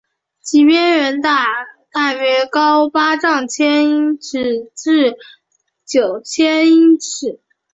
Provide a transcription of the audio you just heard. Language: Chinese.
其边缘大约高八千英尺至九千英尺。